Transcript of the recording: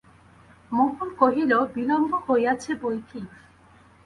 মোহন কহিল, বিলম্ব হইয়াছে বই কি।